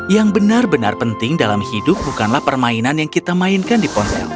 yang benar benar penting dalam hidup bukanlah permainan yang kita mainkan di ponsel